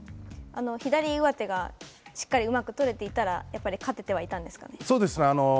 左上手がしっかりうまく取れていたら、やっぱり勝ててはいたんそうですね。